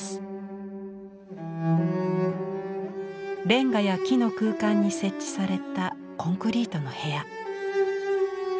レンガや木の空間に設置されたコンクリートの部屋。